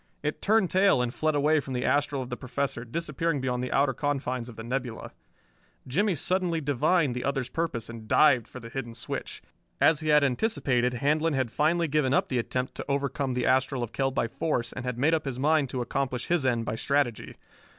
It turned tail and fled away from the astral of the Professor, disappearing beyond the outer confines of the nebula. Jimmie suddenly divined the other's purpose and dived for the hidden switch. As he had anticipated, Handlon had finally given up the attempt to overcome the astral of Kell by force and had made up his mind to accomplish his end by strategy.